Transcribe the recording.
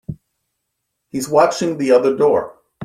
He's watching the other door.